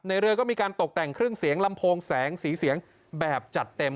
เรือก็มีการตกแต่งเครื่องเสียงลำโพงแสงสีเสียงแบบจัดเต็ม